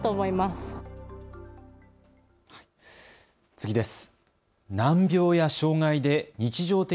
次です。